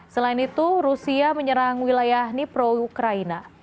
selain itu rusia menyerang wilayah nipro ukraina